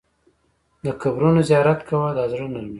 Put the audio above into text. د قبرونو زیارت کوه، دا زړه نرموي.